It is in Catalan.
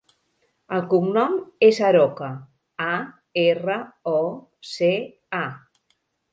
El cognom és Aroca: a, erra, o, ce, a.